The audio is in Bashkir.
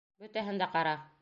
Бөтәһен дә ҡара!